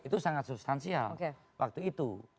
itu sangat substansial waktu itu